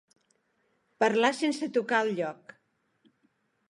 Parlar sense tocar al lloc.